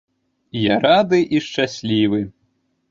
Я рады і шчаслівы.